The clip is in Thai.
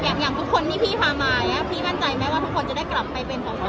อย่างอย่างทุกคนที่พี่พามาไงพี่มั่นใจไหมว่าทุกคนจะได้กลับไปเป็น